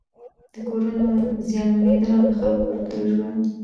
د کورونو زيانمنېدل او د خلکو د ژوند